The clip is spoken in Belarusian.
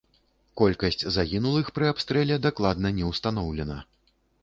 Колькасць загінулых пры абстрэле дакладна не ўстаноўлена.